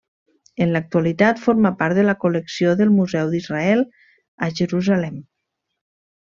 En l'actualitat, forma part de la col·lecció del Museu d'Israel, a Jerusalem.